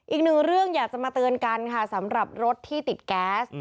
อีกหนึ่งเรื่องอยากจะมาเตือนกันค่ะสำหรับรถที่ติดแก๊ส